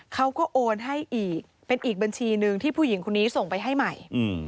เขาก็โอนให้อีกเป็นอีกบัญชีหนึ่งที่ผู้หญิงคนนี้ส่งไปให้ใหม่